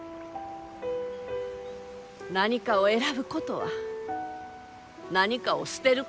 何かを選ぶことは何かを捨てることじゃ。